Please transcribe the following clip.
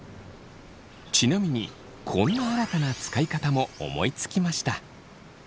ちなみにこんな新たな使い方も思いつきました。